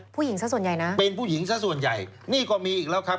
ผู้หญิงซะส่วนใหญ่นะเป็นผู้หญิงซะส่วนใหญ่นี่ก็มีอีกแล้วครับ